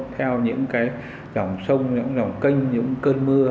theo những cái dòng sông những dòng kênh những cơn mưa